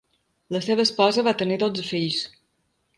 La seva esposa va tenir dotze fills.